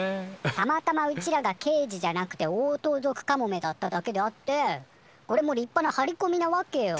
たまたまうちらがけいじじゃなくてオオトウゾクカモメだっただけであってこれも立派な張りこみなわけよ。